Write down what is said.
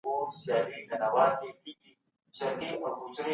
بریالیتوب زده کېدونکی مهارت دی.